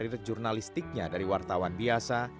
dari jurnalistiknya dari wartawan biasa